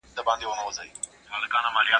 خېر که وېښته سپین سو خو زړه ځوان لرم